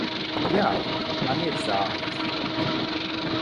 Jā, man ir zāles.